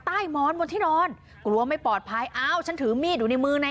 ม้อนบนที่นอนกลัวไม่ปลอดภัยอ้าวฉันถือมีดอยู่ในมือใน